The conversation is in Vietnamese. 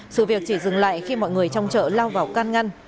sự việc chỉ dừng lại khi mọi người trong chợ lao vào can ngăn